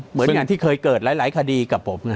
เหมือนงานที่เคยเกิดหลายคดีกับผมไง